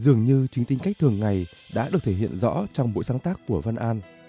dường như chính tính cách thường ngày đã được thể hiện rõ trong buổi sáng tác của văn an